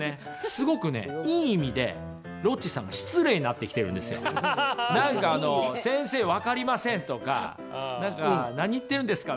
すごくね、いい意味でなんか「先生、分かりません」とかなんか「何言ってるんですか？」